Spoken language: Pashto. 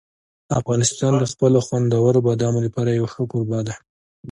افغانستان د خپلو خوندورو بادامو لپاره یو ښه کوربه دی.